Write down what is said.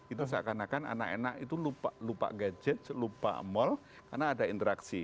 itu seakan akan anak anak itu lupa gadget lupa mall karena ada interaksi